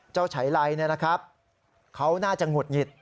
เจ้าไฉไลเนี่ยนะครับเขาน่าจะหงุดหงิด